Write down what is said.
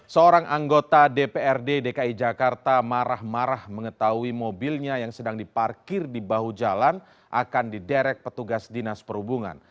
seorang anggota dprd dki jakarta marah marah mengetahui mobilnya yang sedang diparkir di bahu jalan akan diderek petugas dinas perhubungan